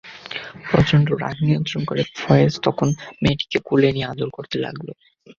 প্রচণ্ড রাগ নিয়ন্ত্রণ করে ফয়েজ তখন মেয়েটিকে কোলে নিয়ে আদর করতে লাগল।